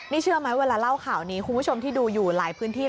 นี่เชื่อไหมเวลาเล่าข่าวนี้คุณผู้ชมที่ดูอยู่หลายพื้นที่